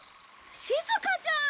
しずかちゃん！